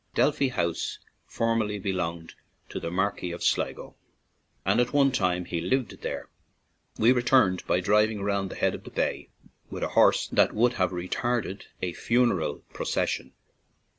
Delphi House formerly belonged to the Marquis of Sligo, and at one time he lived there. We returned by driving round the head of the bay, with a horse that would have retarded a funeral pro cession.